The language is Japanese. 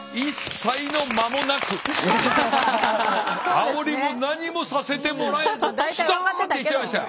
あおりも何もさせてもらえずストンっていっちゃいましたよ。